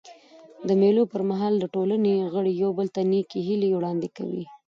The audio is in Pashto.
د مېلو پر مهال د ټولني غړي یو بل ته نېکي هیلي وړاندي کوي.